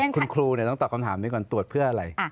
คุณครูต้องตอบคำถามนี้ก่อนตรวจเพื่ออะไร